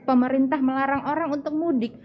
pemerintah melarang orang untuk mudik